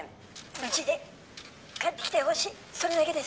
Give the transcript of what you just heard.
無事で帰ってきてほしいそれだけです